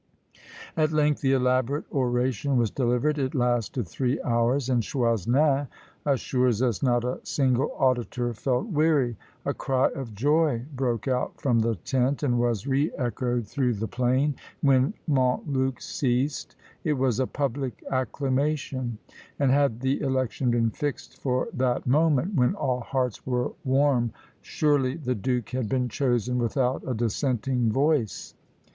At length the elaborate oration was delivered: it lasted three hours, and Choisnin assures us not a single auditor felt weary. "A cry of joy broke out from the tent, and was re echoed through the plain, when Montluc ceased: it was a public acclamation; and had the election been fixed for that moment, when all hearts were warm, surely the duke had been chosen without a dissenting voice."